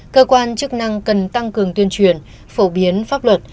cơ quan chức năng cần tăng cường tuyên truyền phổ biến pháp luật